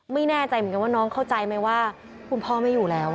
ไม่แน่ใจเหมือนกันว่าน้องเข้าใจไหมว่าคุณพ่อไม่อยู่แล้ว